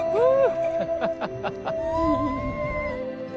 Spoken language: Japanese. うん！